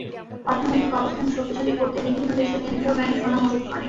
অর্থনৈতিক অবস্থান শক্তিশালী করতে বিভিন্ন দেশের কেন্দ্রীয় ব্যাংক সোনা মজুত করে।